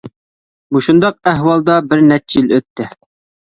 مۇشۇنداق ئەھۋالدا بىر نەچچە يىل ئۆتتى.